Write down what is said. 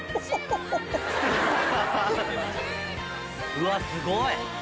うわすごい。